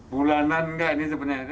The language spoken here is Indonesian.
bulanan nggak ini sebenarnya